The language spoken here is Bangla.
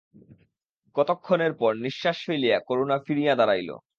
কত ক্ষণের পর নিশ্বাস ফেলিয়া করুণা ফিরিয়া দাড়াইল।